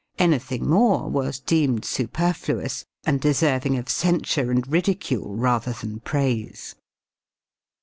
Anything more was deemed superfluous and deserving of censure and ridicule rather than praise.